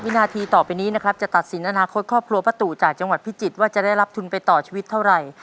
วินาทีต่อไปนี้นะครับจะตัดสินอนาคตครอบครัวป้าตู่จากจังหวัดพิจิตรว่าจะได้รับทุนไปต่อชีวิตเท่าไหร่